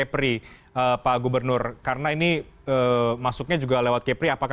terima kasih pak